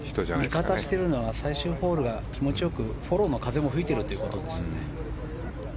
しかも味方しているのは最終ホールが気持ちよくフォローの風も吹いているということですよね。